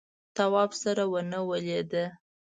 تواب سره ونه ولیده.